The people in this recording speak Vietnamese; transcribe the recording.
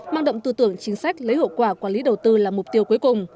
mang động tư tưởng chính sách lấy hậu quả quản lý đầu tư là mục tiêu cuối cùng